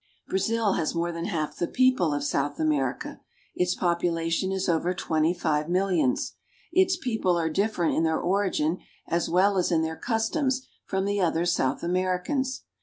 Brazil has more than half the people of South America. Its population is over twenty five millions. Its people are different in their origin as well as in their customs from the other South Americans.